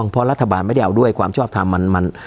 เพราะรัฐบาลไม่ได้เอาด้วยความชอบทำ